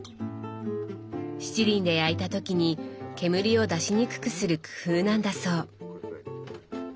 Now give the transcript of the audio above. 七輪で焼いた時に煙を出しにくくする工夫なんだそう。